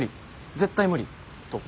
絶対無理」と。